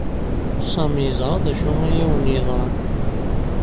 Sami yeẓra d acu ay awen-yeḍran.